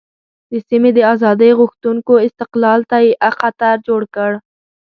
د سیمې د آزادۍ غوښتونکو استقلال ته یې خطر جوړ کړ.